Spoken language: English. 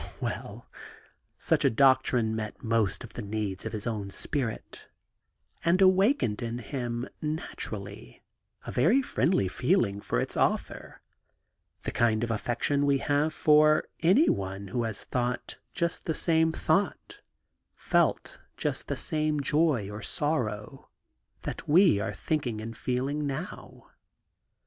Weill such a doctrine met most of the needs of his own spirit, and awakened in him, naturally, a very friendly feeling for its author; the kind of affection we have for any one who has thought just the same thought, felt just the same joy or sorrow, that we are thinking and feeling now.